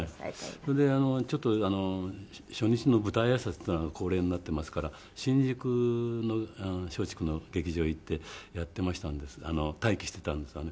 それでちょっと初日の舞台挨拶っていうのが恒例になっていますから新宿の松竹の劇場へ行ってやっていましたんです待機していたんですがね